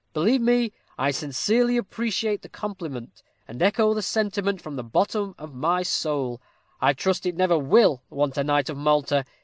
Believe me, I sincerely appreciate the compliment, and echo the sentiment from the bottom of my soul. I trust it never will want a knight of Malta.